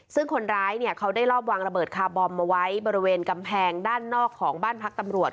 ซึ่งคนร้ายเนี่ยเขาได้รอบวางระเบิดคาร์บอมเอาไว้บริเวณกำแพงด้านนอกของบ้านพักตำรวจ